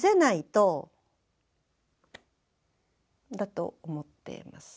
だと思っています。